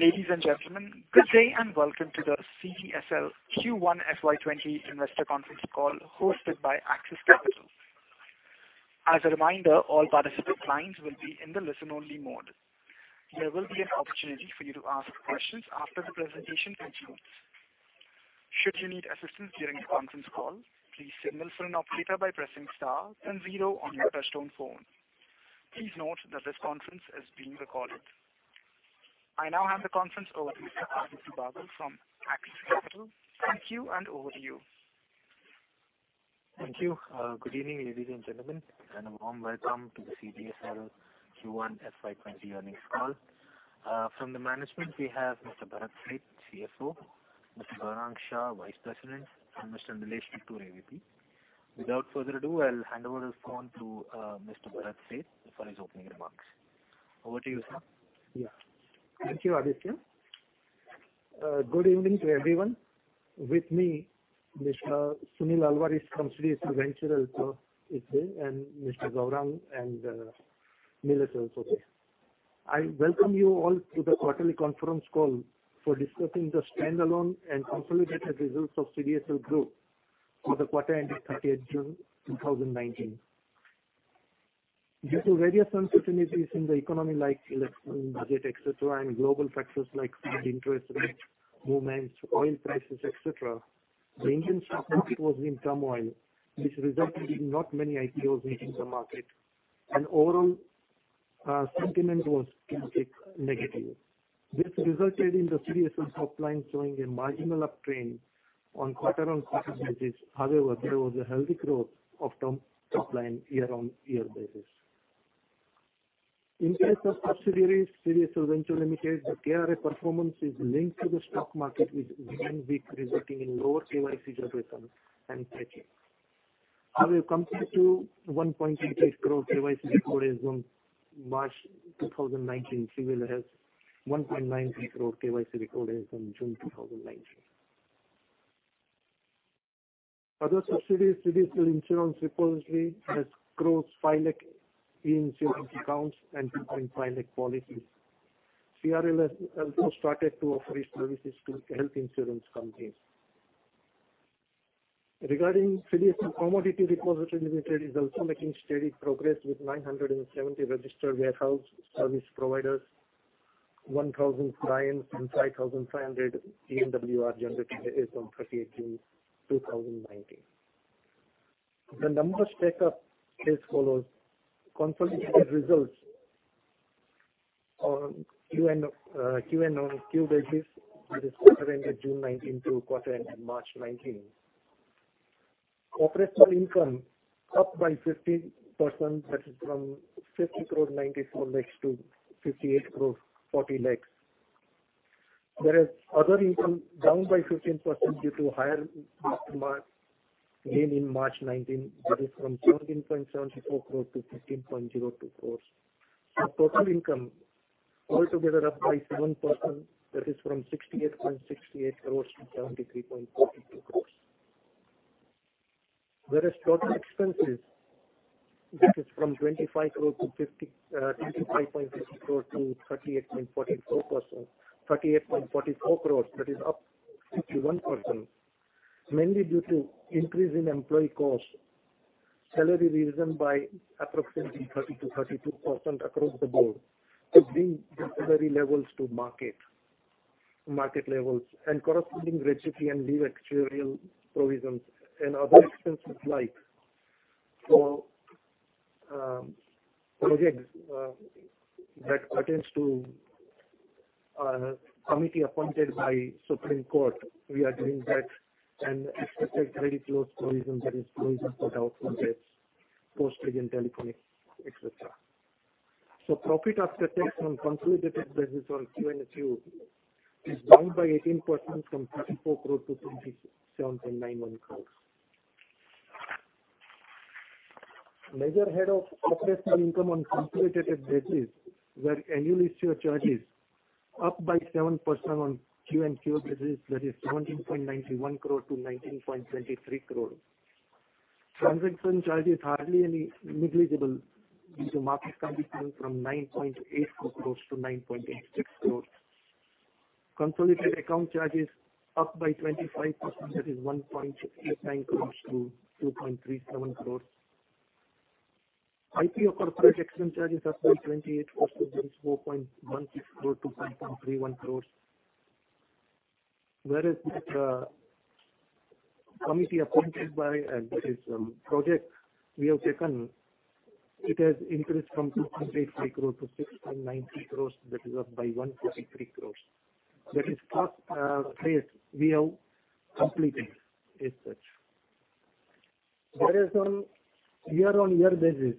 Ladies and gentlemen, good day and welcome to the CDSL Q1 FY20 investor Conference Call hosted by Axis Capital. As a reminder, all participant lines will be in the listen-only mode. There will be an opportunity for you to ask questions after the presentation concludes. Should you need assistance during the conference call, please signal for an operator by pressing star and zero on your touchtone phone. Please note that this conference is being recorded. I now hand the conference over to Mr. Aditya Bagul from Axis Capital. Thank you and over to you. Thank you. Good evening, ladies and gentlemen, and a warm welcome to the CDSL Q1 FY 2020 Earnings Call. From the management, we have Mr. Bharat Sheth, CFO, Mr. Gaurang Shah, Vice President, and Mr. Nilesh Tiku, AVP. Without further ado, I'll hand over the phone to Mr. Bharat Sheth for his opening remarks. Over to you, sir. Yeah. Thank you, Aditya. Good evening to everyone. With me, Mr. Sunil Alvares is from CDSL Ventures Ltd is there, and Mr. Gaurang and Nilesh is also there. I welcome you all to the quarterly conference call for discussing the standalone and consolidated results of CDSL Group for the quarter ending 30th June 2019. Due to various uncertainties in the economy like election, budget, et cetera, and global factors like Fed interest rate movements, oil prices, et cetera, the Indian stock market was in turmoil, which resulted in not many IPOs entering the market, and overall sentiment was negative. This resulted in the CDSL top line showing a marginal uptrend on quarter-on-quarter basis. However, there was a healthy growth of top line year-on-year basis. In case of subsidiary, CDSL Ventures Ltd, the KRA performance is linked to the stock market, which remained weak, resulting in lower KYC generation and fetching. However, compared to 1.88 crore KYC recordings on March 2019, CDSL has 1.93 crore KYC recordings on June 2019. Other subsidiaries, CDSL Insurance Repository has gross file e-Insurance accounts and e-filing policies. CIRL has also started to offer its services to health insurance companies. Regarding CDSL Commodity Repository Limited is also making steady progress with 970 registered warehouse service providers, 1,000 clients and 5,500 eNWR generated as on 30th June 2019. The numbers stack up as follows. Consolidated results on QoQ basis, that is quarter ended June 2019 to quarter ended March 2019. Operational income up by 15%, that is from 50.94 crore - 58.40 crore. Whereas other income down by 15% due to higher gain in March 2019, that is from 14.74 crore - 15.02 crore. Total income altogether up by 7%, that is from 68.68 crore - 73.42 crore. Whereas total expenses, that is from 25.54 crore - 38.44 crore, that is up 51%, mainly due to increase in employee cost, salary risen by approximately 30%-32% across the board to bring the salary levels to market levels and corresponding gratuity and leave actuarial provisions and other expenses. Projects that pertains to a committee appointed by Supreme Court, we are doing that and expected credit loss provisions, that is provision for doubtful debts, post-paid and telephones, etc. Profit after tax on consolidated basis on QoQ is down by 18% from 34 crore - 27.91 crore. Major head of operational income on consolidated basis, where annual issuer charge is up by 7% on QoQ basis, that is 17.91 crore - 19.23 crore. Transaction charge is hardly any negligible due to market competition from 9.84 crore - 9.86 crore. Consolidated account charge is up by 25%, that is 1.89 crore - 2.37 crore. IPO corporate action charge is up by 28%, that is 4.16 crore - 5.31 crore. The committee appointed by this project we have taken, it has increased from 2.83 crore to 6.90 crore, that is up by 1.43 crore. That is first phase we have completed as such. On year-on-year basis,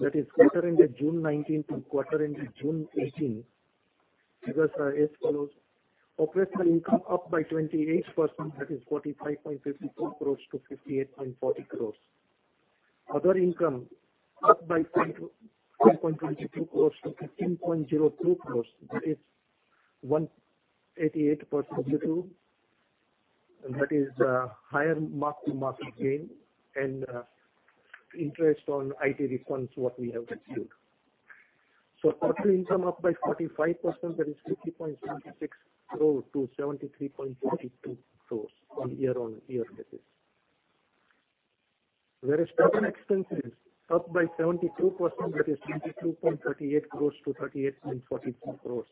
that is quarter ended June 2019 to quarter ended June 2018, figures are as follows. Operational income up by 28%, that is 45.52 crore - 58.40 crore. Other income up by 4.22 crore - 15.02 crore. That is 188% that is higher mark-to-market gain and interest on IT refunds, what we have received. Total income up by 45%, that is 50.76 crore - 73.42 crore on year-on-year basis. Total expenses up by 72%, that is 22.38 crores - 38.42 crores,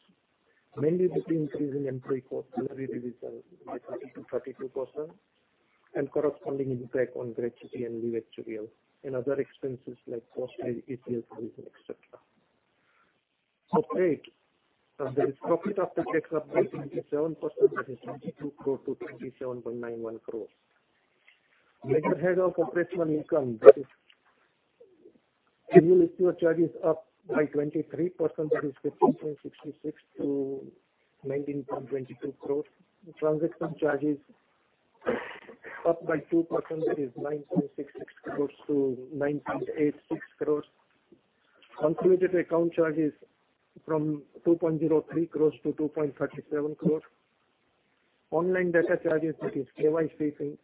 mainly due to increase in employee cost, salary revision by 30%-32%, and corresponding impact on gratuity and leave encashment and other expenses like postage, ECL provision, etc. For PAT, that is profit after tax, up by 27%, that is INR 22 crore - INR 27.91 crores. Major head of operational income, that is annual issuer charges up by 23%, that is 15.66 crores to 19.22 crores. Transaction charges up by 2%, that is 9.66 crores to 9.86 crores. Concluded account charges from 2.03 crores to 2.37 crores. Online data charges, that is KYC fees,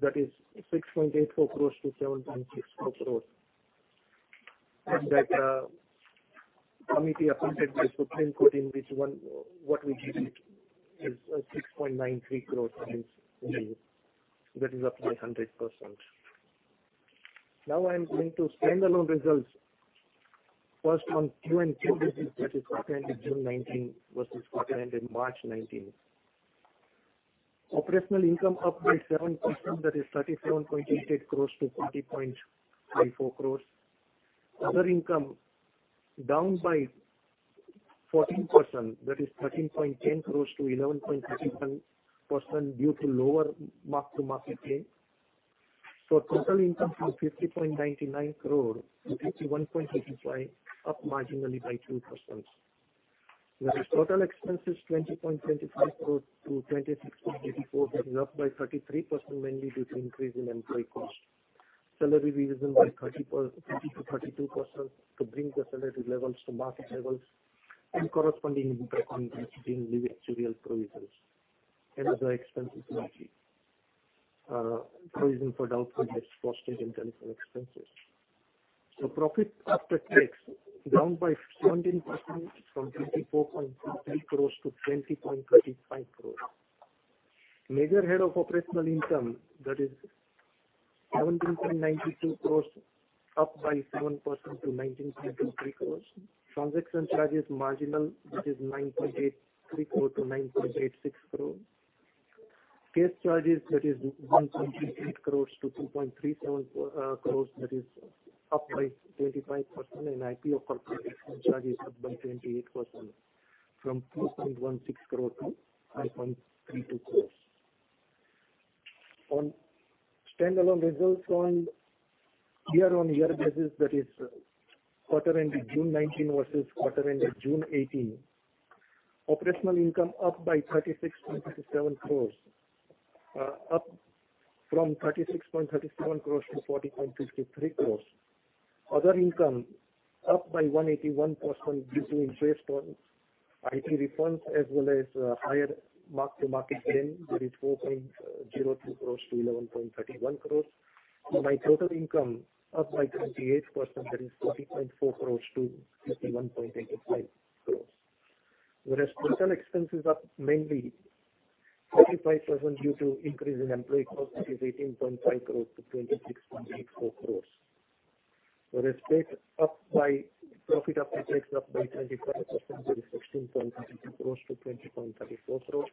that is 6.84 crores to 7.64 crores. That committee appointed by Supreme Court in which what we give it is 6.93 crores, that is up by 100%. I'm going to stand-alone results. On QoQ basis, that is quarter ended June 2019 versus quarter ended March 2019. Operational income up by 7%, that is 37.88 crores to 40.34 crores. Other income down by 14%, that is 13.10 crores to 11.31 crores due to lower mark-to-market gain. Total income from 50.99 crores to 51.55 crores, up marginally by 2%. Whereas total expenses 20.25 crores to 26.34 crores, that is up by 33%, mainly due to increase in employee cost. Salary revision by 30%-32% to bring the salary levels to market levels and corresponding impact on gratuity and leave encashment provisions and other expenses like provision for doubtful debts, postage, and telephone expenses. Profit after tax down by 17% from 24.53 crores to 20.35 crores. Major head of operational income, that is 17.92 crores, up by 7% to 19.23 crores. Transaction charges marginal, that is 9.83 crores to 9.86 crores. CAS charges, that is 1.8 crores-2.37 crores, that is up by 25%, and IPO corporate action charges up by 28%, from 2.16 crore to 5.32 crores. On standalone results on year-on-year basis, that is quarter ended June 2019 versus quarter ended June 2018, operational income up by 36.37 crores, up from 36.37 crores to 40.53 crores. Other income up by 181% due to interest on IT refunds as well as higher mark-to-market gain, that is 4.02 crores to 11.31 crores. My total income up by 28%, that is 40.4 crores to 51.85 crores. Whereas total expenses up mainly 35% due to increase in employee cost, that is 18.5 crores to 26.84 crores. Whereas PAT, profit after tax, up by 25%, that is 16.32 crores to 20.34 crores.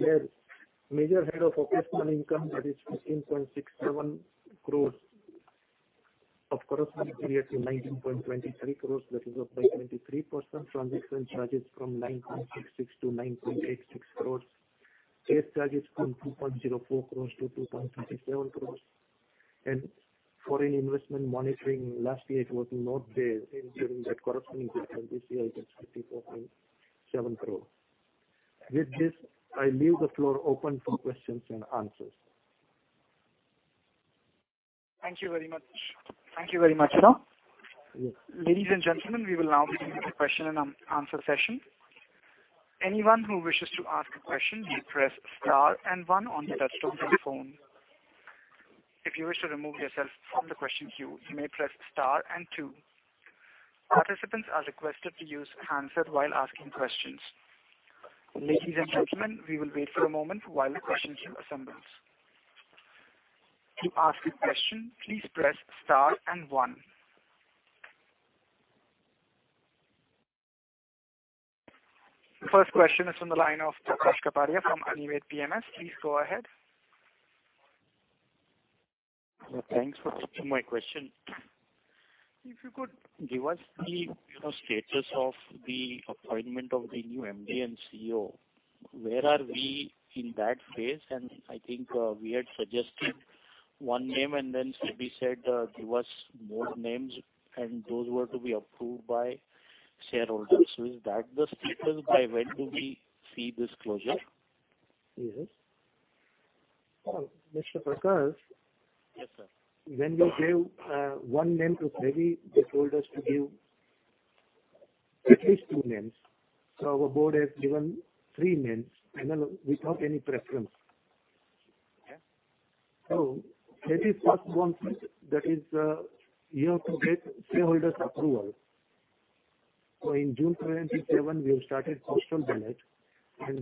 The major head of operational income, that is 15.67 crores of corresponding period to 19.23 crores, that is up by 23%. Transaction charges from 9.66 crore to 9.86 crore. Case charges from 2.04 crore to 2.37 crore. Foreign investment monitoring, last year it was not there during the corresponding year. This year it is 54.7 crore. With this, I leave the floor open for questions and answers. Thank you very much. Ladies and gentlemen, we will now begin the question and answer session. The first question is on the line of Prakash Kapadia from Anived PMS. Please go ahead. Thanks for taking my question. If you could give us the status of the appointment of the new MD and CEO, where are we in that phase? I think we had suggested one name and then SEBI said, give us more names, and those were to be approved by shareholders. Is that the status? By when do we see this closure? Yes. Mr. Prakash? Yes, sir. When we gave one name to SEBI, they told us to give at least two names. Our board has given three names, panel, without any preference. Yeah. SEBI's first one, that is, you have to get shareholders' approval. In June 2019, we have started postal ballot, and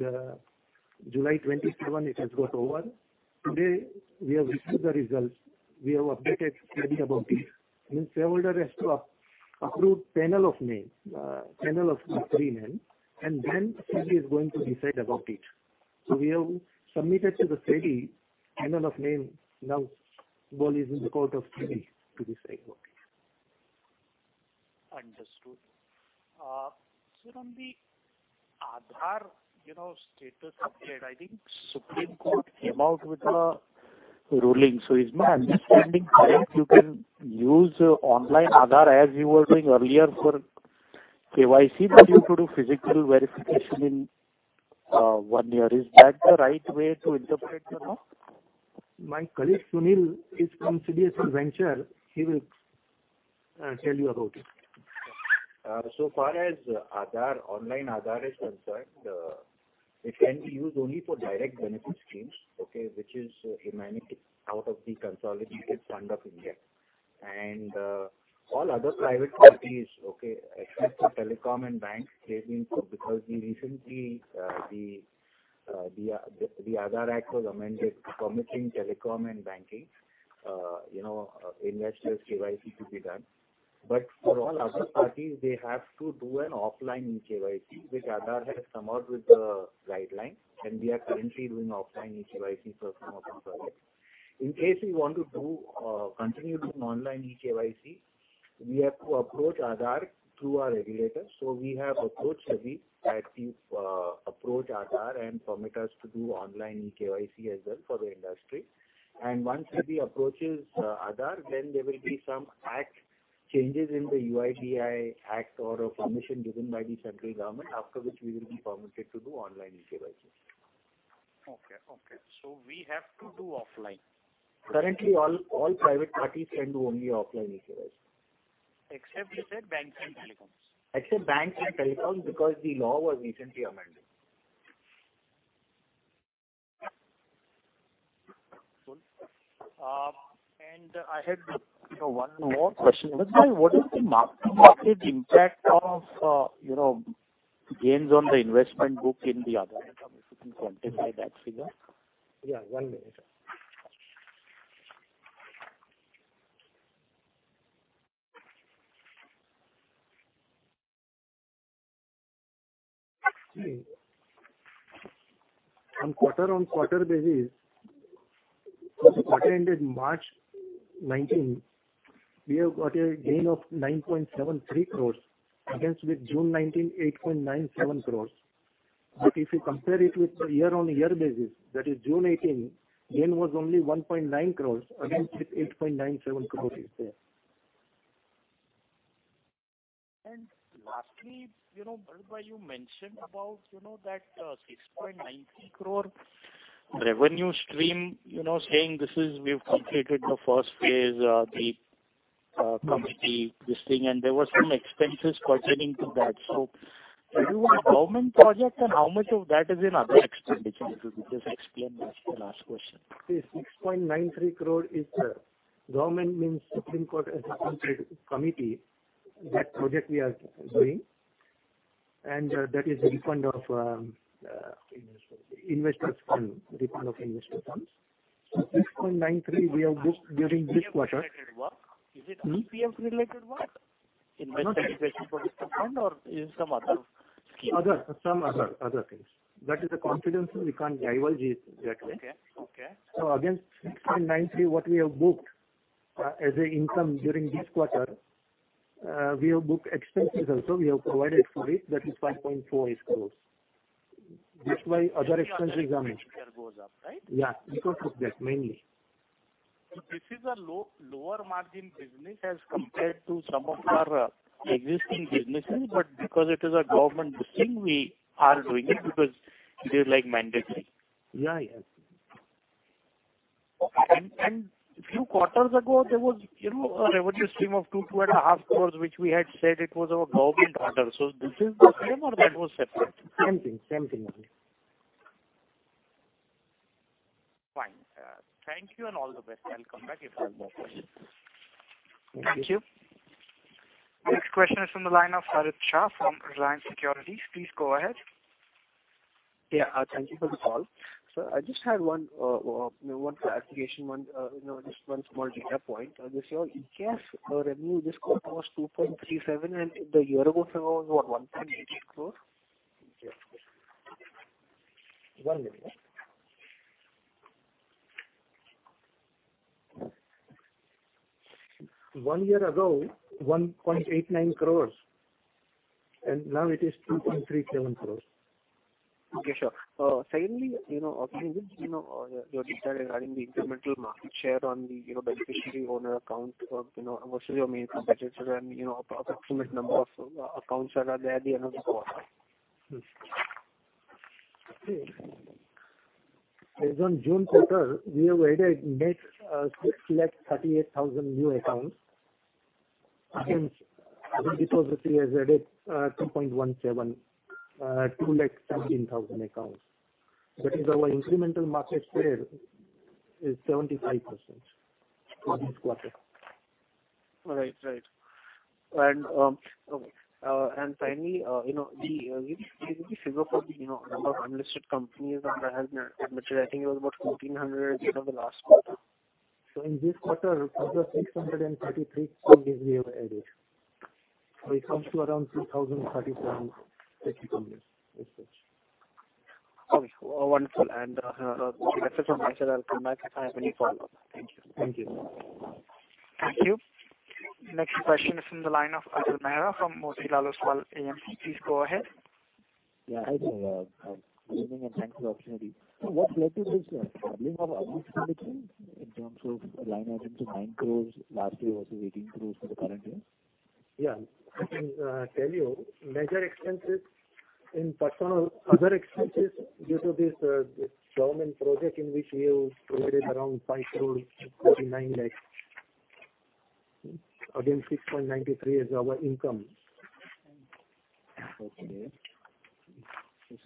July 2019, it has got over. Today, we have received the results. We have updated SEBI about it. Means shareholder has to approve panel of names, panel of three names, and then SEBI is going to decide about it. We have submitted to the SEBI panel of names. Now, ball is in the court of SEBI to decide about it. Understood. Sir, on the Aadhaar status update, I think Supreme Court came out with. Ruling. Is my understanding correct, you can use online Aadhaar as you were doing earlier for KYC, but you have to do physical verification in one year. Is that the right way to interpret the law? My colleague Sunil is from CDSL Ventures. He will tell you about it. Far as online Aadhaar is concerned, it can be used only for direct benefit schemes, okay, which is remaining out of the Consolidated Fund of India. All other private parties, except for telecom and banks, because recently the Aadhaar Act was amended permitting telecom and banking investors KYC to be done. For all other parties, they have to do an offline e-KYC, which Aadhaar has come out with the guideline, and we are currently doing offline e-KYC for some of our projects. In case we want to continue doing online e-KYC, we have to approach Aadhaar through our regulator. We have approached SEBI to approach Aadhaar and permit us to do online e-KYC as well for the industry. Once SEBI approaches Aadhaar, then there will be some act changes in the UIDAI Act or a permission given by the central government, after which we will be permitted to do online e-KYC. Okay. We have to do offline. Currently, all private parties can do only offline e-KYC. Except you said banks and telecoms. Except banks and telecoms, because the law was recently amended. Cool. I had one more question. Bharat, what is the market impact of gains on the investment book in the Aadhaar? If you can quantify that figure. Yeah, one minute. On quarter on quarter basis, quarter ended March 2019, we have got a gain of 9.73 crore against with June 2019, 8.97 crore. If you compare it with year on year basis, that is June 2018, gain was only 1.9 crore against with 8.97 crore is there. Lastly, Bharat, you mentioned about that 6.93 crore revenue stream, saying, "We've completed the first phase, the committee, this thing," and there were some expenses pertaining to that. Is it a government project, and how much of that is in other expenditures? If you could just explain that, the last question. The 6.93 crore is government means Supreme Court-appointed committee. That project we are doing. That is refund of- Investors fund. investors fund, refund of investors funds. 6.93 we have booked during this quarter. Is it IEPF related work? Investment education fund or is some other scheme? Other. Some other things. That is confidential. We can't divulge it exactly. Okay. Against 6.93 crores what we have booked as income during this quarter, we have booked expenses also. We have provided for it. That is 5.48 crores. That's why other expenses are mentioned. Share goes up, right? Yeah. Because of that mainly. This is a lower margin business as compared to some of our existing businesses, but because it is a government booking, we are doing it because they're like mandatory. Yeah. Okay. Few quarters ago, there was a revenue stream of 2.5 crores, which we had said it was our government order. This is the same or that was separate? Same thing only. Fine. Thank you and all the best. I'll come back if I have more questions. Thank you. Next question is from the line of Harit Shah from Reliance Securities. Please go ahead. Yeah, thank you for the call. Sir, I just had one clarification, just one small data point. This year, ECAS revenue this quarter was 2.37 crore, and the year ago figure was what, 1.88 crore? One minute. One year ago, 1.89 crores, and now it is 2.37 crores. Okay, sure. Secondly, pertaining with your data regarding the incremental market share on the beneficiary owner account versus your main competitors and approximate number of accounts that are there at the end of the quarter. As on June quarter, we have added net 6 lakh 38,000 new accounts. Okay. Other depository has added 217,000 accounts. That is our incremental market share is 75% for this quarter. Right. Finally, the figure for the number of unlisted companies under demat, I think it was about 1,400 as of the last quarter. In this quarter, 633 companies we have added. It comes to around 2,037 such companies. Okay. Wonderful. That's it from my side. I'll come back if I have any follow-up. Thank you. Thank you. Thank you. Next question is from the line of Ajay Mehra from Motilal Oswal AMC. Please go ahead. Yeah, hi, sir. Good evening, thanks for the opportunity. What led to this doubling of other expenses in terms of INR 9 crores lastly versus INR 18 crores for the current year? Yeah. I can tell you. Major expenses in other expenses due to this government project in which we have provided around 5.48 crores. Again, 6.93 is our income. Okay.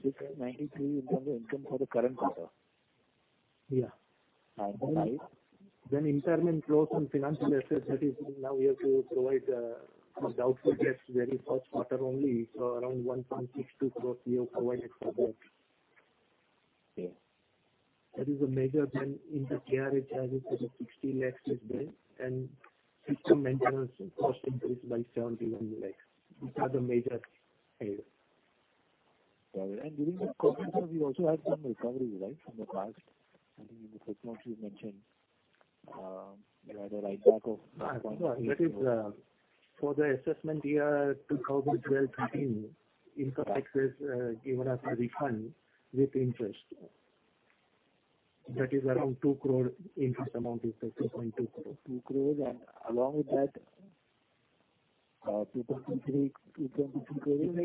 6.93 in terms of income for the current quarter? Yeah. Impairment loss on financial assets that is now we have to provide for doubtful debts, very first quarter only. Around 1.62 crores we have provided for that. Okay. That is a major, then in the TR it has it for the 60 lakhs as well, and system maintenance cost increased by 71 lakhs. These are the major areas. Got it. During this quarter, sir, you also had some recovery, right, from the past? I think in the press note you mentioned you had a write back of INR 1.8 crore. No, that is for the assessment year 2012, 2013, Income Tax has given us a refund with interest. That is around 2 crore interest amount is there, 2.2 crore. 2 crore and along with that, 2.23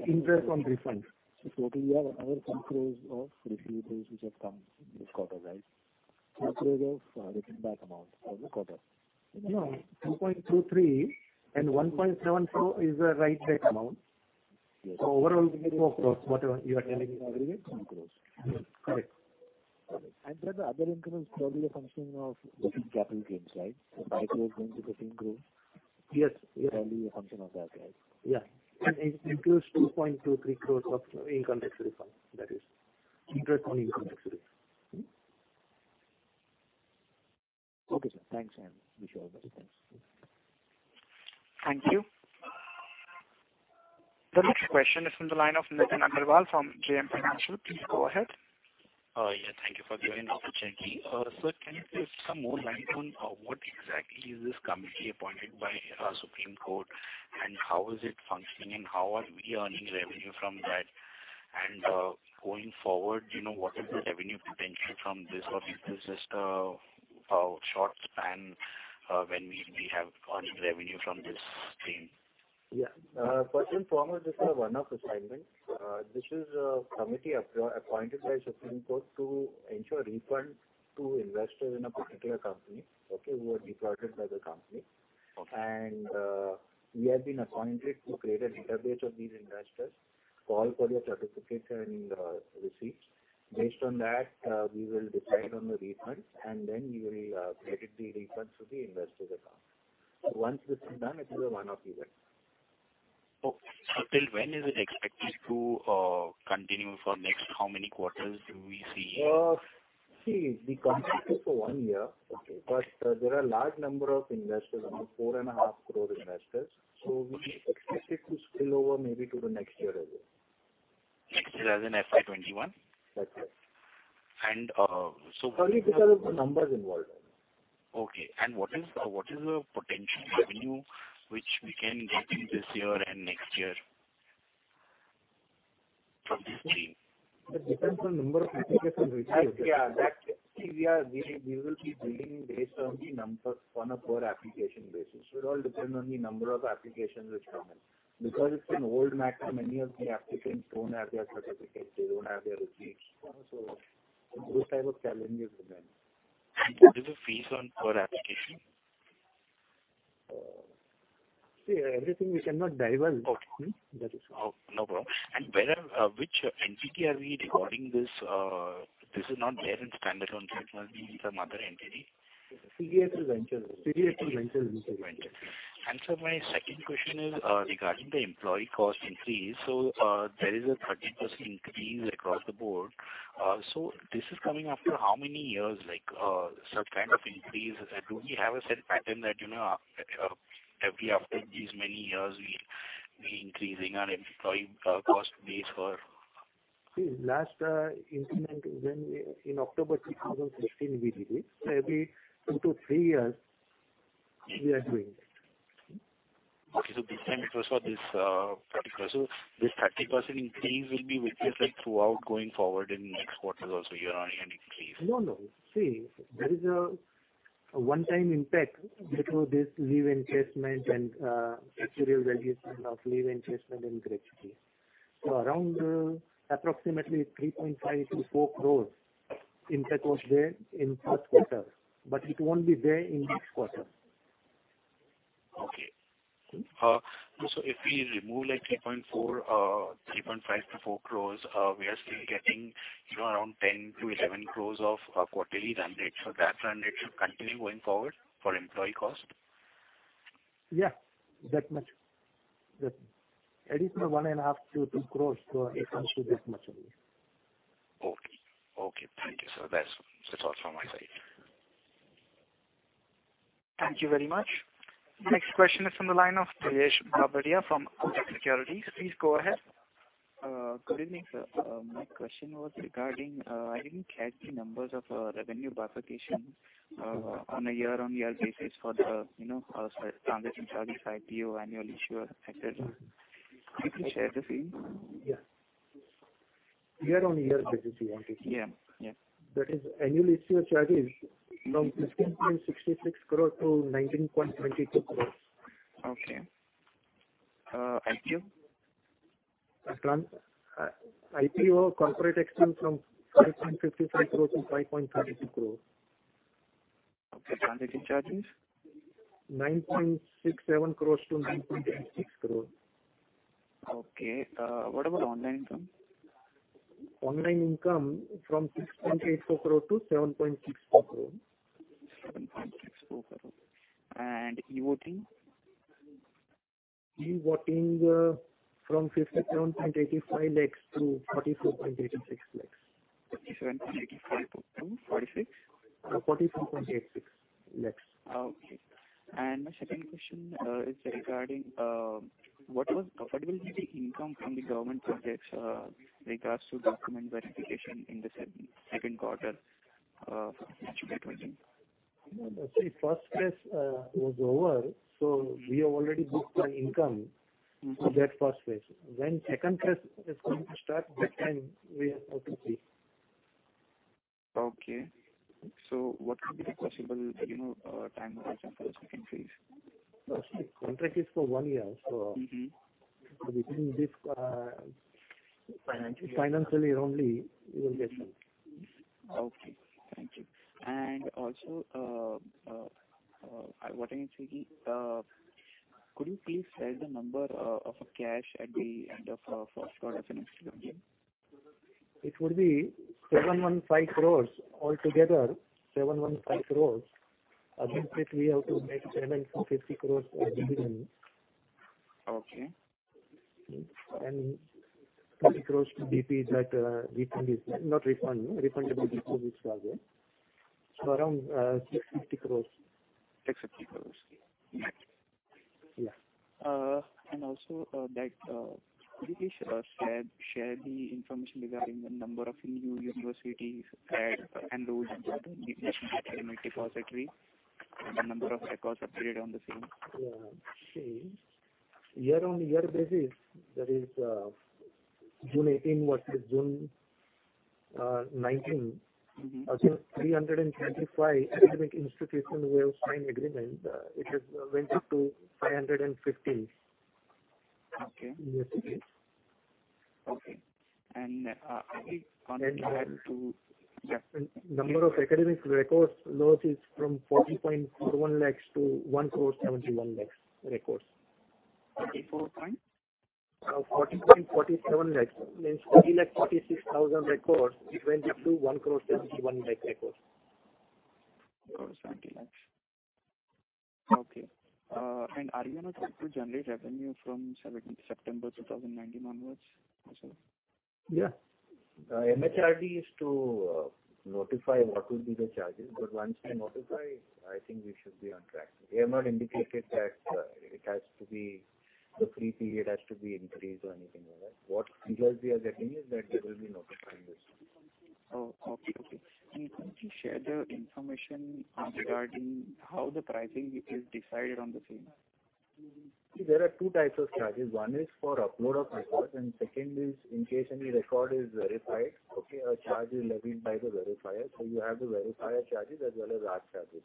interest on refund. Totally you have another 2 crore of receivables which have come this quarter, right? Yes. 2 crore of written back amount for the quarter. No, 2.23 and 1.74 is the write back amount. Yes. Overall negative of course, whatever you are telling is negative. Aggregate INR 2 crore. Correct. Sir, the other increment is probably a function of different capital gains, right? Yes. Probably a function of that, right? It includes 2.23 crore of income tax refund. That is interest on income tax refund. Okay, sir. Thanks. Wish you all the best. Thanks. Thank you. The next question is from the line of Nitin Agarwal from JM Financial. Please go ahead. Yeah, thank you for giving the opportunity. Sir, can you please shed some more light on what exactly is this committee appointed by Supreme Court and how is it functioning and how are we earning revenue from that? Going forward, what is the revenue potential from this or is this just a short span when we have earned revenue from this stream? Yeah. First and foremost, this is a one-off assignment. This is a committee appointed by Supreme Court to ensure refund to investors in a particular company, okay, who are defrauded by the company. Okay. We have been appointed to create a database of these investors, call for their certificates and receipts. Based on that, we will decide on the refunds and then we will credit the refunds to the investors account. Once this is done, it is a one-off event. Okay. Till when is it expected to continue for next how many quarters do we see? See, the contract is for one year. Okay. There are large number of investors, about four and a half crore investors. We expect it to spill over maybe to the next year as well. Next year as in FY 2021? That's right. And so- Only because of the numbers involved. Okay. What is the potential revenue which we can get in this year and next year from this stream? That depends on number of applications received. Yeah. See, we will be billing based on a per application basis. It will all depend on the number of applications which come in. Because it's an old matter, many of the applicants don't have their certificates, they don't have their receipts. Those type of challenges remain. What is the fees on per application? Everything we cannot divulge. Okay. That is all. No problem. Which entity are we recording this? This is not share and standard on technology, some other entity? CDSL Ventures. CDSL Ventures. Ventures. Sir, my second question is regarding the employee cost increase. There is a 30% increase across the board. This is coming after how many years, like such kind of increases? Do we have a set pattern that every after these many years we'll be increasing our employee cost base for? Last increment is when in October 2016 we did it. Every two to three years we are doing it. Okay. This time it was for this particular. This 30% increase will be with us like throughout going forward in next quarters also you are earning an increase? No, no. See, there is a one-time impact before this leave encashment and actuarial valuation of leave encashment in gratuity. Around approximately 3.5-4 crores impact was there in first quarter, but it won't be there in next quarter. Okay. If we remove 3.5-4 crores, we are still getting around 10-11 crores of quarterly run rate. That run rate should continue going forward for employee cost? Yes, that much. Additional 1.5 crore-2 crore, it comes to this much only. Okay. Thank you, sir. That's the thoughts from my side. Thank you very much. Next question is from the line of Priyesh Babaria from Kotak Securities. Please go ahead. Good evening, sir. My question was regarding, I didn't catch the numbers of revenue bifurcation on a year-on-year basis for the transaction charges, IPO, annual issuer, et cetera. Could you share the same? Yes. Year-on-year basis you wanted to say. Yes. That is annual issuer charges from 15.66 crore - 19.22 crores. Okay. IPO? IPO corporate action from 5.55 crore - 5.32 crore. Okay. Transaction charges? 9.67 crores - 9.86 crore. Okay. What about online income? Online income from 6.84 crore - 7.64 crore. INR 7.64 crore. E-voting? E-Voting from 57.85 lakhs - 44.86 lakhs. 57.85 to 46? 44.86 lakhs. Okay. My second question is regarding what was operational income from the government subjects with regards to document verification in the second quarter of financial year 20. See, phase I was over. We have already booked the income for that phase I. When phase II is going to start that time we have to see. Okay. What could be the possible time horizon for the phase II? See, contract is for one year. Financial year. Financial year only it will get over. Okay, thank you. Also, could you please tell the number of cash at the end of first quarter financial 20? It would be 715 crores. Altogether, 715 crores. Against it, we have to make payment for 50 crores dividend. Okay. 50 crores to DP that refund is, not refund, refundable deposit charges. Around 650 crores. 650 crores. Yes. Also that DP share the information regarding the number of new universities and those which are in the academic depository and the number of records updated on the same. See, year-on-year basis, that is June 2018 versus June 2019. 335 academic institutions we have signed agreement. It has went up to 515. Okay. Universities. Okay. Number of academic records loaded from 40.47 lakhs to 1.71 crore records. 44 point? 40.47 lakhs means 40 lakh 46,000 records. It went up to 1 crore 71 lakh records. INR 1.70 crore. Okay. Are you not able to generate revenue from September 2019 onwards also? Yes. MHRD is to notify what will be the charges, once they notify, I think we should be on track. They have not indicated that the free period has to be increased or anything like that. What signals we are getting is that they will be notifying this. Okay. Can you share the information regarding how the pricing is decided on the same? There are two types of charges. One is for upload of records and second is in case any record is verified, a charge is levied by the verifier. You have the verifier charges as well as our charges.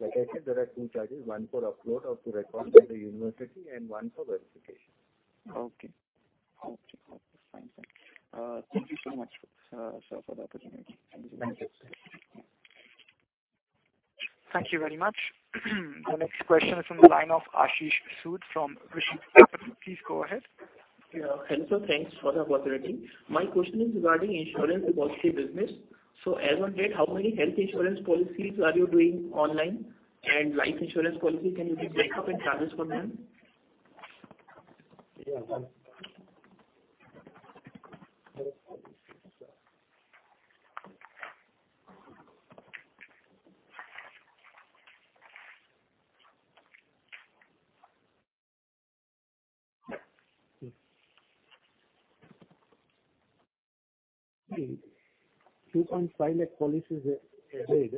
Like I said, there are two charges, one for upload of the records by the university and one for verification. Okay. Fine, sir. Thank you so much, sir, for the opportunity. Thank you. Thank you very much. The next question is from the line of Ashish Sood from Vishuddha Capital. Please go ahead. Hello, sir. Thanks for the opportunity. My question is regarding insurance policy business. As on date, how many health insurance policies are you doing online and life insurance policy? Can you give breakup and charges for the same? 2.5 lakh policies raised.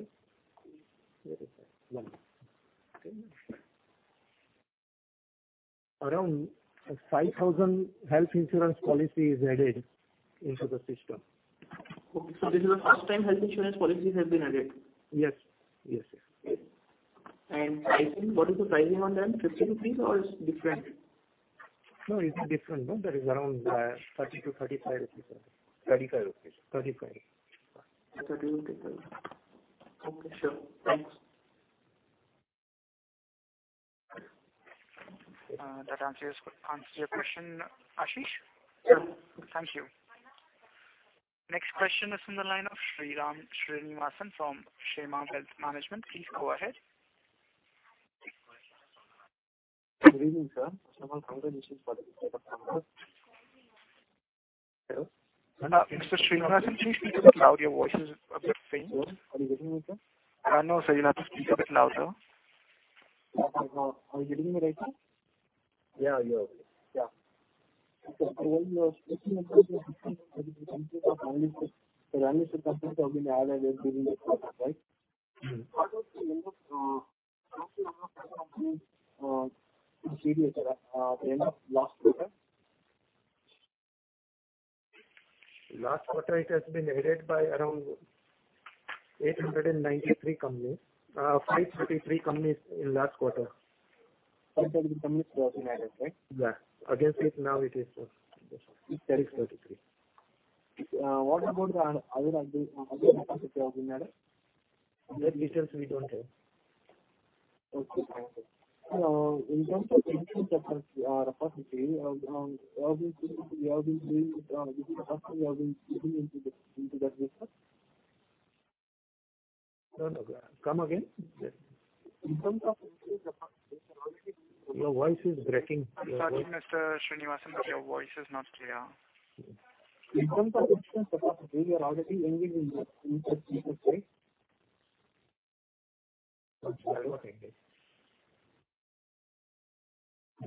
One minute. Okay. Around 5,000 health insurance policies added into the system. Okay. This is the first time health insurance policies have been added? Yes. Pricing, what is the pricing on them, 50 rupees or it's different? No, it is different. That is around 30-35 rupees. 35 rupees. 35. 35. Okay, sure. Thanks. That answers your question, Ashish? Yes. Thank you. Next question is from the line of Sriram Srinivasan from Care PMS. Please go ahead. Good evening, sir. First of all, congratulations for the result. Hello? Mr. Srinivasan, can you speak a bit louder? Your voice is a bit faint. Are you getting me, sir? No, sir. You'll have to speak a bit louder. Are you getting me right, sir? Yeah. Yeah. Okay. When you were stating unlisted companies have been added during the quarter, right? How many companies? Last quarter it has been added by around 893 companies. 533 companies in last quarter. 533 companies have been added, right? Yeah. Against it, now it is 333. What about other capacity have been added? Those details we don't have. Okay, thank you. In terms of insurance capacity, have you been doing this capacity, have you been getting into that business? Come again? In terms of insurance capacity, you're already. Your voice is breaking. I'm sorry, Mr. Srinivasan, but your voice is not clear. In terms of insurance capacity, you're already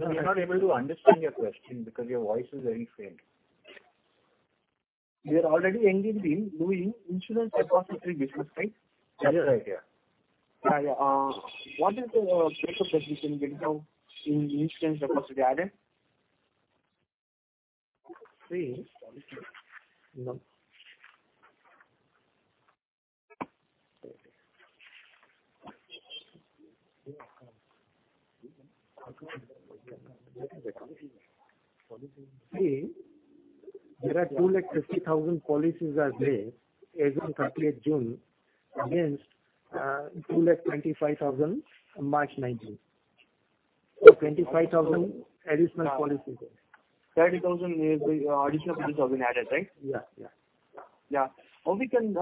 engaged in that business, right? That is right, yeah. What is the breakup that we can get now in insurance capacity added? There are 250,000 policies as on 30th June against 225,000 on March 2019. 25,000 additional policies. 30,000 additional policies have been added, right? Yeah. How we can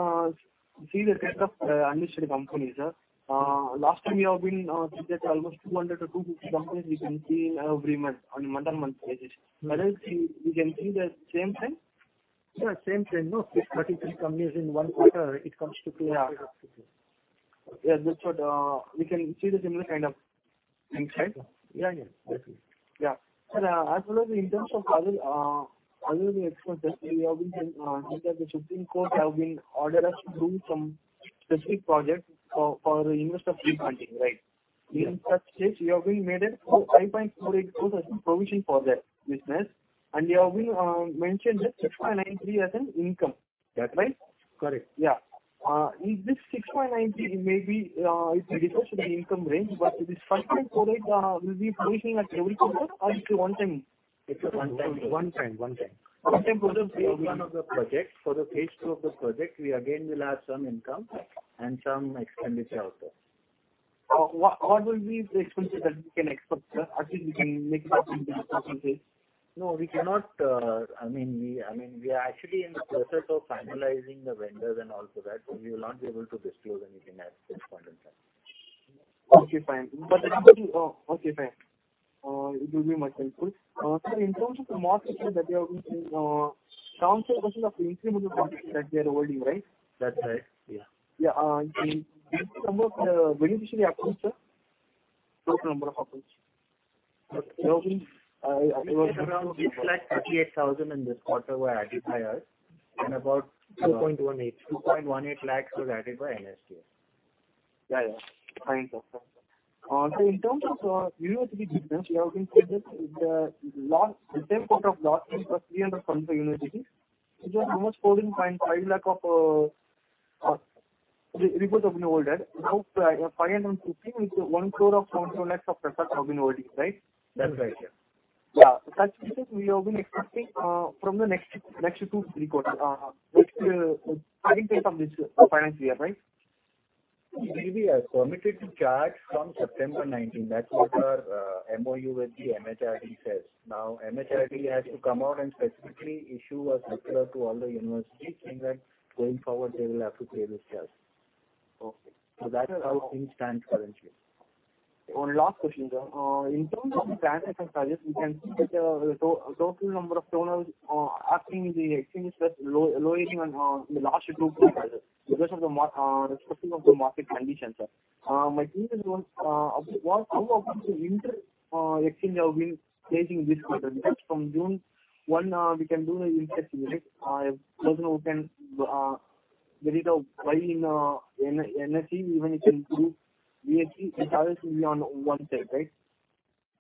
see the set of unlisted companies, sir? Last time you have been saying that almost 200 to 250 companies we can see every month on a month-on-month basis. I see we can see the same trend? Yeah, same trend. 33 companies in one quarter, it comes to clear. Yeah. That's what. We can see the similar kind of things, right? Yeah. As well as in terms of other expenses, because the Supreme Court have been order us to do some specific project for investor protection, right? Yes. In such case, you have been made it 5.48 crores as a provision for that business, and you have been mentioned that 6.93 as an income. That right? Correct. Yeah. If this 6.93 may be, it reduces to the income range, but this 5.48 will be provisioning at every quarter or it's a one time? It's a one time. One time. One time. For one of the project. For the phase 2 of the project, we again will have some income and some expenditure also. What will be the expenses that we can expect, sir? Actually, we can make assumption on this? No, we cannot. We are actually in the process of finalizing the vendors and all so that we will not be able to disclose anything at this point in time. Okay, fine. It will be much helpful. Sir, in terms of the market share that you have been saying, transfer question of the incremental business that they are holding, right? That's right. Yeah. In number of beneficiary accounts, sir. Total number of accounts. Around 338,000 in this quarter were added by us. 2.18 2.18 lakh was added by NSDL. Thank you, sir. In terms of university business, we have been seeing that the same set of law firms plus 300 from the universities, which was almost 14.5 lakh of rebates have been awarded. 550 means 1.72 crore of rebates have been awarded, right? That's right, yeah. Yeah. Such business we have been expecting from the next two to three quarters starting from this financial year, right? We are permitted to charge from September 2019. That's what our MoU with the MHRD says. MHRD has to come out and specifically issue a circular to all the universities saying that going forward, they will have to pay this charge. Okay. That is how things stand currently. One last question, sir. In terms of the transaction charges, we can see that the total number of turnovers at the exchange was low even in the last two quarters because of the reflecting of the market condition, sir. How often inter-exchange have been placing this quarter? From June 1, we can do the interoperability. There is a buying in NSE, even if it includes BSE, it has to be on one side, right?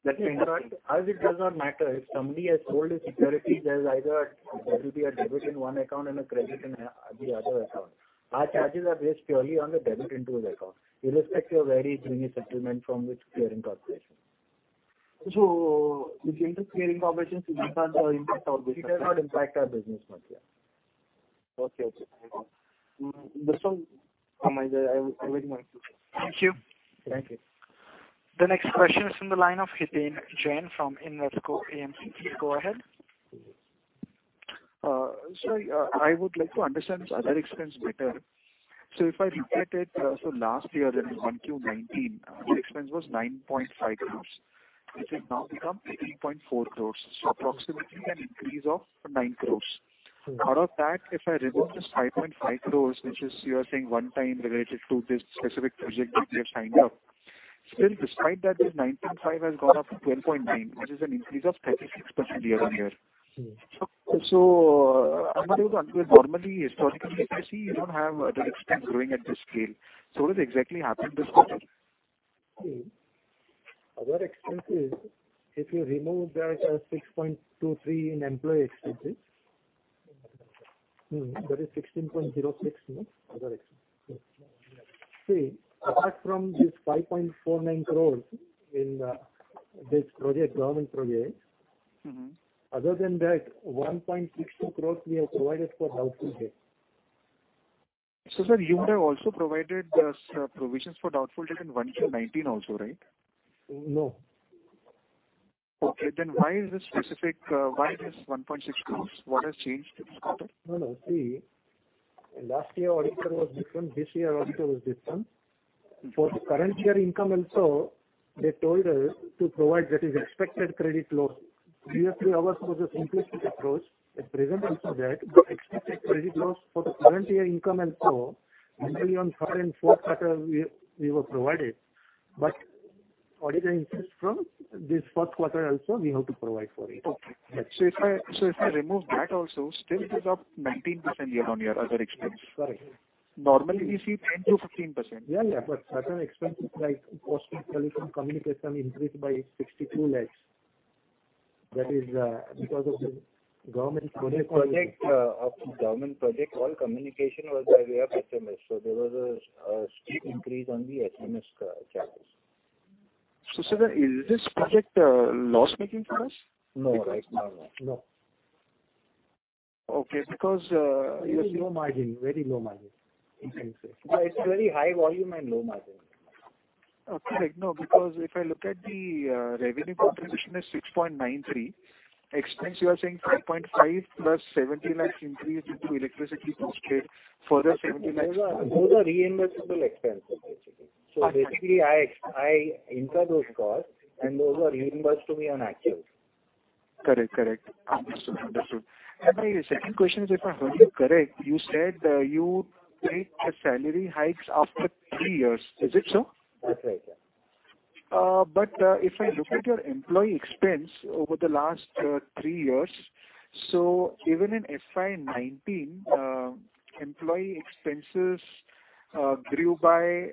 That is correct. As it does not matter, if somebody has sold his securities, there will be a debit in one account and a credit in the other account. Our charges are based purely on the debit into his account, irrespective of where he is doing his settlement from which clearing corporation. This inter-clearing operations does not impact our business. It does not impact our business much. Okay. This one, I already my question. Thank you. Thank you. The next question is from the line of Hiten Jain from Invesco AMC. Go ahead. Sir, I would like to understand this other expense better. If I look at it, so last year in Q19, the expense was 9.5 crore. It has now become 18.4 crore. Approximately an increase of 9 crore. Out of that, if I remove this 5.5 crore, which is, you are saying one time related to this specific project that we have signed up. Still, despite that, this 19.5 has gone up to 12.9, which is an increase of 36% year-on-year. I wanted to understand, normally, historically, I see you don't have other expense growing at this scale. What has exactly happened this quarter? Other expense is, if you remove that 6.23 in employee expenses, that is 16.06, other expense. See, apart from this 5.49 crore in this government project- Other than that 1.62 crore we have provided for doubtful debt. Sir, you would have also provided those provisions for doubtful debt in Q19 also, right? No. Okay. Why this 1.6 crores? What has changed this quarter? No. See, last year auditor was different, this year auditor was different. For the current year income also, they told us to provide that is Expected Credit Loss. Previously, ours was just implicit approach. At present also that, Expected Credit Loss for the current year income also, only on third and fourth quarter we were provided. Auditor insists from this first quarter also we have to provide for it. Okay. If I remove that also, still it is up 19% year-on-year, other expense. Correct. Normally, we see 10%-15%. Certain expenses like cost of telecommunication increased by 62 lakhs. That is because of the government project. Of the government project, all communication was by way of SMS. There was a steep increase on the SMS charges. Sir, is this project loss-making for us? No. Okay. Very low margin. It's very high volume and low margin. Okay. No, because if I look at the revenue contribution is 6.93. Expense, you are saying 5.5 plus 70 lakhs increase due to electricity cost rate, further 70 lakhs. Those are reimbursable expenses basically. Basically I incur those costs, and those are reimbursed to me on actual. Correct. Understood. My second question is, if I heard you correct, you said you made the salary hikes after three years. Is it so? That's right. If I look at your employee expense over the last three years, even in FY 2019, employee expenses grew by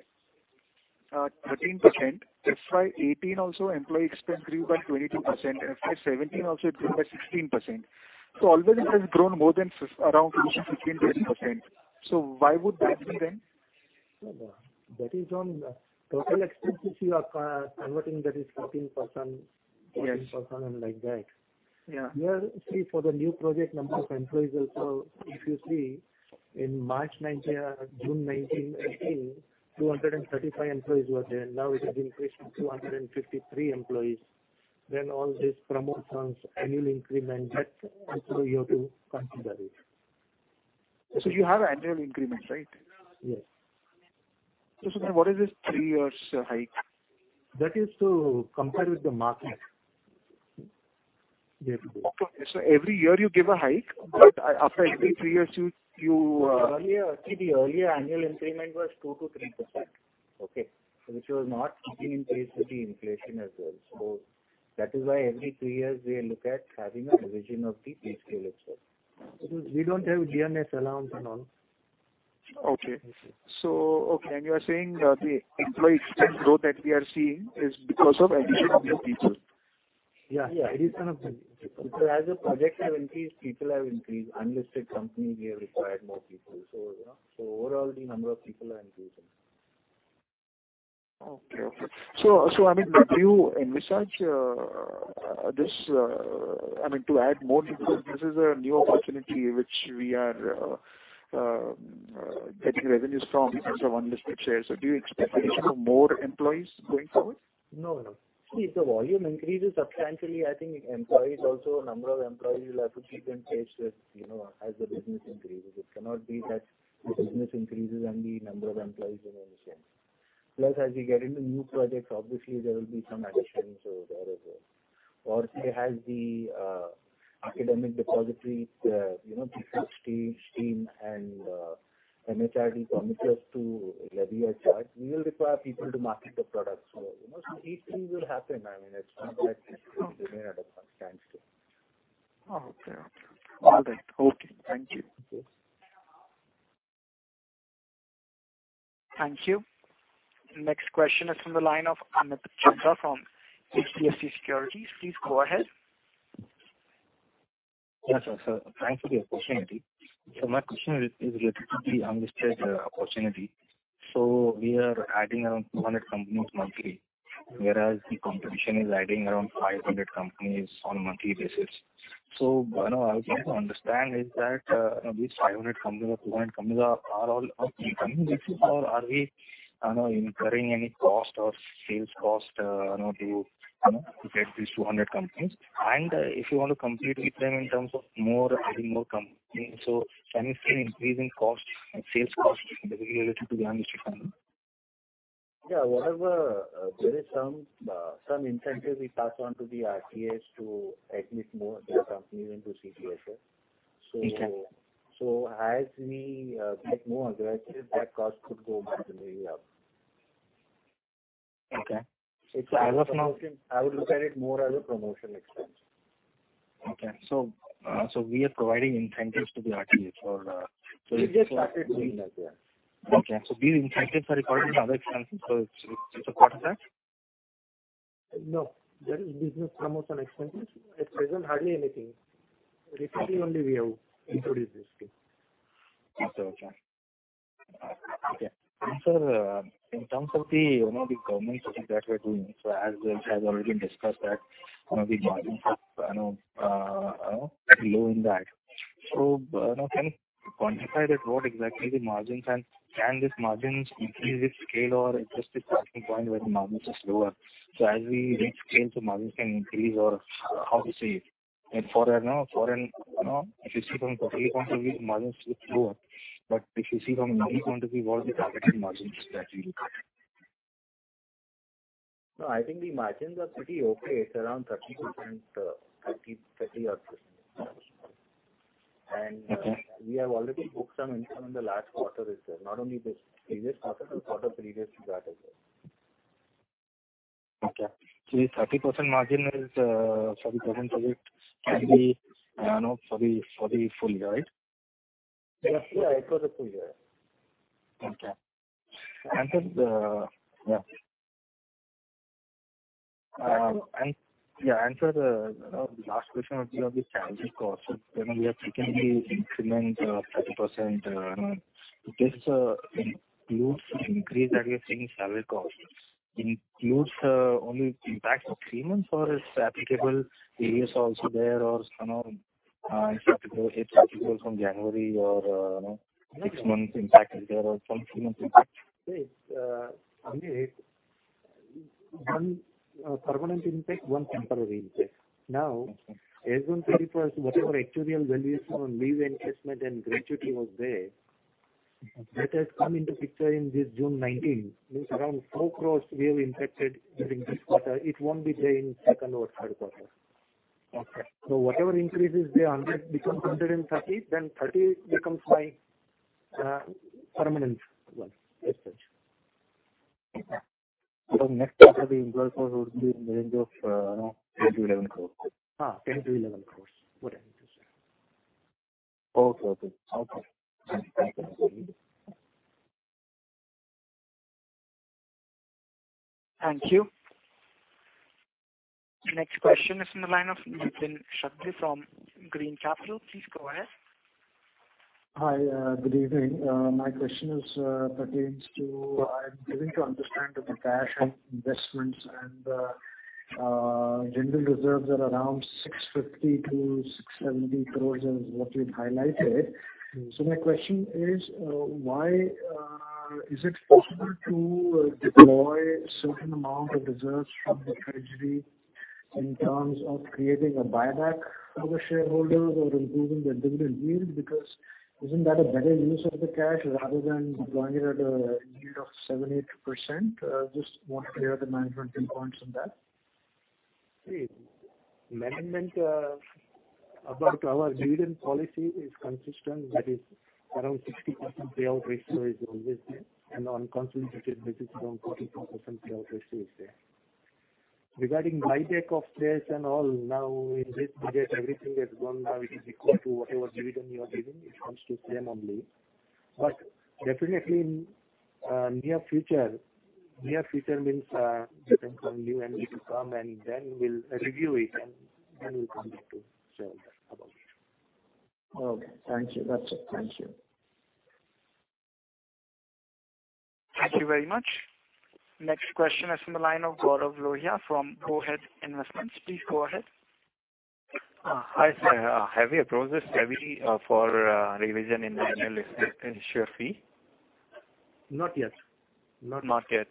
13%. FY 2018 also, employee expense grew by 22%. FY 2017 also it grew by 16%. Always it has grown more than around 15%-20%. Why would that be then? That is on total expenses you are converting that is 13%. Yes 14% and like that. Yeah. Here, see, for the new project, number of employees also, if you see in March 2019, June 2019, 2018, 235 employees were there. Now it has increased to 253 employees. All these promotions, annual increments, that also you have to consider it. You have annual increments, right? Yes. Sir, what is this three years hike? That is to compare with the market. Okay. Every year you give a hike, but after every three years. The earlier annual increment was 2%-3%. Which was not keeping in pace with the inflation as well. That is why every three years we look at having a revision of the pay scale itself. We don't have DA allowance. Okay. You are saying the employee expense growth that we are seeing is because of addition of new people. Yeah. Addition of new people. As the projects have increased, people have increased. Unlisted company, we have required more people. Overall, the number of people are increasing. Do you envisage to add more people? This is a new opportunity which we are getting revenues from unlisted shares. Do you expect addition of more employees going forward? No. See, if the volume increases substantially, I think employees also, number of employees will have to keep in pace with as the business increases. It cannot be that the business increases and the number of employees remain the same. Plus, as we get into new projects, obviously there will be some additions there as well. Or say, as the academic depository team and MHRD permit us to levy a charge, we will require people to market the product. These things will happen. It's not that it will remain at a constant. Oh, okay. All right. Okay. Thank you. Thank you. Next question is from the line of Anup Chakraborty from HDFC Securities. Please go ahead. Yes, sir. Thank you for your opportunity. My question is related to the unlisted opportunity. We are adding around 200 companies monthly, whereas the competition is adding around 500 companies on a monthly basis. I was trying to understand is that these 500 companies or 200 companies are all incoming or are we incurring any cost or sales cost to get these 200 companies? If you want to completely frame in terms of adding more companies, can you say increasing cost and sales cost related to the unlisted company? There is some incentive we pass on to the RTAs to admit more companies into CDSL. Okay. As we get more aggressive, that cost could go marginally up. Okay. I would look at it more as a promotional expense. Okay. We are providing incentives to the RTAs for. We just started doing that, yeah. Okay. These incentives are included in other expenses. What is that? No. That is business promotion expenses. At present, hardly anything. Recently only we have introduced this thing. Okay. Sir, in terms of the government study that we're doing, as it has already been discussed that the margins are very low in that. Can you quantify what exactly the margins are, and can these margins increase with scale or just the starting point where the margins are lower? As we reach scale, the margins can increase or how to say it. If you see from a total point of view, the margins look lower. If you see from a unique point of view, what would be targeted margins that you look at? No, I think the margins are pretty okay. It's around 30% or 30-odd %. Okay. We have already booked some income in the last quarter is there, not only this previous quarter, but quarter previous to that as well. Okay. The 30% margin is 30% of it can be for the full year, right? Yes. It's for the full year. Okay. Sir, the last question would be of the salary cost. When we have secondly incremental market share 30%, this includes increase that we are seeing in salary cost. Includes only impact of three months or is applicable previous also there or it's applicable from January or six months impact is there or some three months impact? It's only one permanent impact, one temporary impact. Now, as on 31st, whatever actuarial valuation on leave encashment and gratuity was there, that has come into picture in this June 2019. Means around 4 crores we have impacted during this quarter. It won't be there in second or third quarter. Okay. Whatever increase is there, 100 becomes 130, then 30 becomes my permanent one as such. Okay. Next quarter the impact would be in the range of INR 10-11 crore. INR 10-11 crores. Whatever you say. Okay. Okay. Thank you. Thank you. Next question is on the line of Nitin Shakdher from Green Capital. Please go ahead. Hi. Good evening. My question pertains I'm trying to understand the cash and investments and general reserves are around 650 crore-670 crore is what you've highlighted. My question is it possible to deploy a certain amount of reserves from the treasury in terms of creating a buyback for the shareholders or improving the dividend yield? Isn't that a better use of the cash rather than deploying it at a yield of seven, 8%? Just want to hear the management viewpoints on that. See, management about our dividend policy is consistent, that is around 60% payout ratio is always there, and on consolidated basis, around 44% payout ratio is there. Regarding buyback of shares and all, now in this budget, everything has gone. Now it is equal to whatever dividend you are giving, it comes to same only. Definitely near future. Near future means depend on you and me to come, and then we'll review it, and then we'll come back to share that about it. Okay. Thank you. That's it. Thank you. Thank you very much. Next question is from the line of Gaurav Lohia from Bowhead Investments. Please go ahead. Hi. Have you approached SEBI for a revision in annual issuer fee? Not yet. Not yet.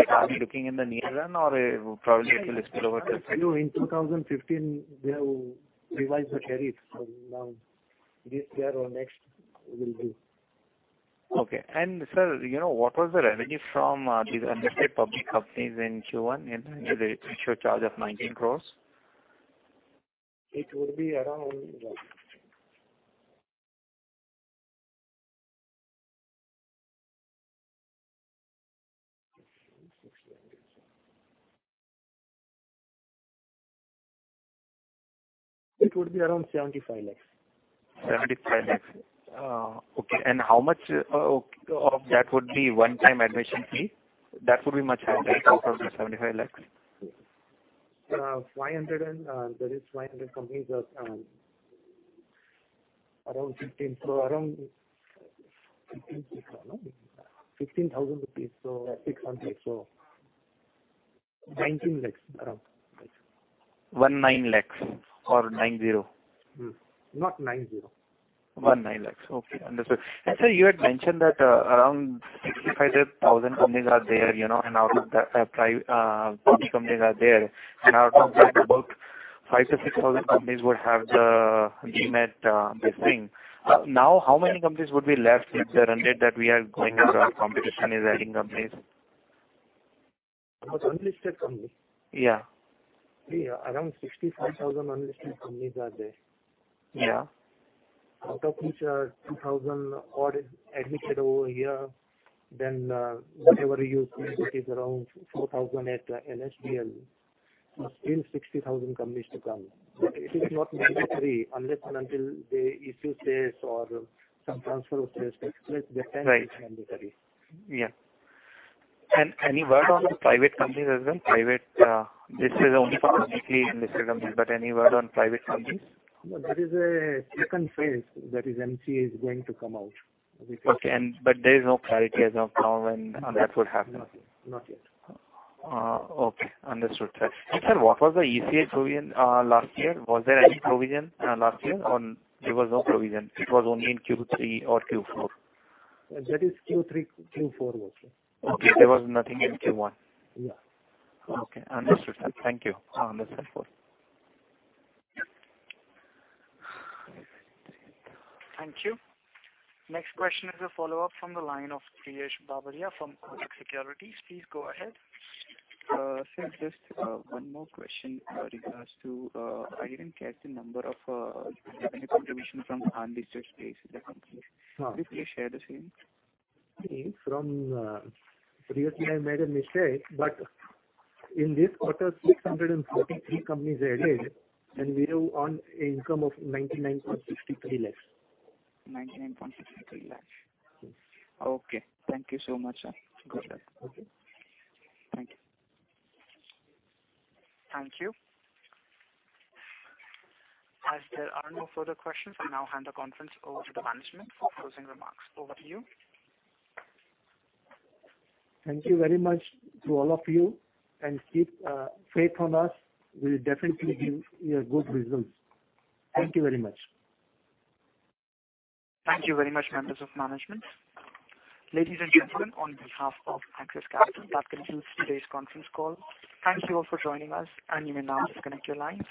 Are we looking in the near run or probably it will spill over? No, in 2015, we have revised the tariff. Now this year or next, we will do. Okay. Sir, what was the revenue from these unlisted public companies in Q1? The issuer charge of 19 lakhs. It would be around INR 12. It would be around 75 lakhs. 75 lakhs. Okay. How much of that would be one-time admission fee? That would be much higher, right, out of the INR 75 lakhs? There is 500 companies. Around 15,000 rupees. 600 lakhs. 19 lakhs around. 19 lakhs or 90? Not nine zero. 19 lakhs. Okay, understood. Sir, you had mentioned that around 65,000 public companies are there, and out of that, about 5,000-6,000 companies would have the demat listing. How many companies would be left if the run rate that we are going with our competition is adding companies? Of unlisted companies? Yeah. Around 65,000 unlisted companies are there. Yeah. Out of which, 2,000 odd admitted over a year. Whatever you see, which is around 4,000 at NSDL. Still 60,000 companies to come. It is not mandatory unless and until they issue shares or some transfer of shares takes place. That time it's mandatory. Yeah. Any word on the private companies as in this is only for publicly listed companies, but any word on private companies? No, there is a phase II that MCA is going to come out. Okay. There is no clarity as of now when that would happen. Not yet. Okay, understood. Sir, what was the ECL provision last year? Was there any provision last year, or there was no provision, it was only in Q3 or Q4? That is Q3, Q4 mostly. Okay. There was nothing in Q1. Yeah. Okay, understood sir. Thank you. Understood. Thank you. Next question is a follow-up from the line of Priyesh Babaria from Kotak Securities. Please go ahead. Sir, just one more question with regards to, I didn't catch the number of revenue contribution from unlisted base of the company. Could you please share the same? Previously, I made a mistake, but in this quarter, 643 companies added, and we have earned income of 99.63 lakhs. 99.63 lakhs. Yes. Okay. Thank you so much, sir. Okay. Thank you. Thank you. As there are no further questions, I now hand the conference over to the management for closing remarks. Over to you. Thank you very much to all of you, and keep faith on us. We'll definitely give you a good result. Thank you very much. Thank you very much, members of management. Ladies and gentlemen, on behalf of Axis Capital, that concludes today's conference call. Thank you all for joining us and you may now disconnect your lines.